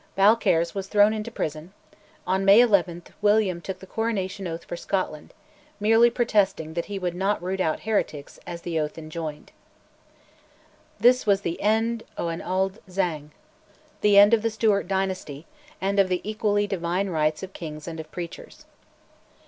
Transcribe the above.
Balcarres was thrown into prison: on May 11 William took the Coronation oath for Scotland, merely protesting that he would not "root out heretics," as the oath enjoined. This was "the end o' an auld sang," the end of the Stuart dynasty, and of the equally "divine rights" of kings and of preachers.